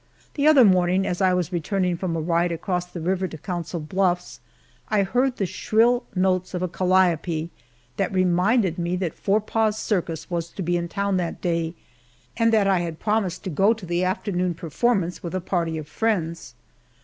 The other morning, as I was returning from a ride across the river to Council Bluffs, I heard the shrill notes of a calliope that reminded me that Forepaugh's circus was to be in town that day, and that I had promised to go to the afternoon performance with a party of friends.